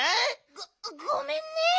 ごごめんね。